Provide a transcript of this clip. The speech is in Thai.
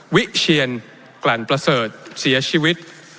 วิเชียนกลั่นประเสริฐเสียชีวิต